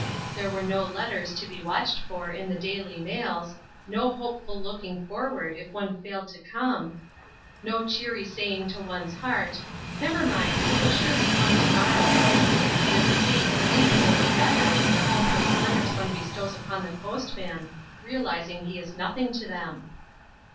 There were no letters to be watched for in the daily mails, no hopeful looking forward if one failed to come, no cheery saying to one's heart, "Never mind, it will surely come to morrow." This state is infinitely better than the hopeless glance one bestows upon the postman, realizing he is nothing to them.